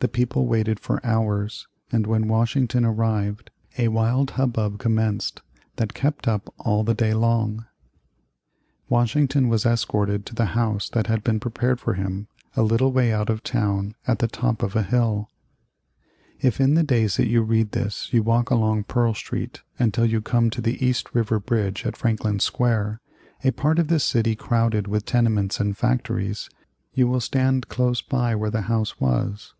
The people waited for hours, and when Washington arrived a wild hubbub commenced that kept up all the day long. [Illustration: View of Federal Hall and Part of Broad Street, 1796.] Washington was escorted to the house that had been prepared for him, a little way out of town at the top of a hill. If in the days that you read this you walk along Pearl Street until you come to the East River bridge at Franklin Square, a part of the city crowded with tenements and factories, you will stand close by where the house was.